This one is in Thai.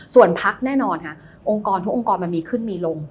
ส่วนพักแน่นอนค่ะองค์กรทุกองค์กรมันมีขึ้นมีลง